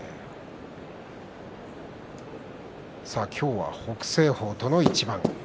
今日は北青鵬との一番。